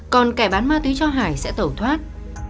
còn kẻ bán ma túy cho hải sẽ tẩu thoát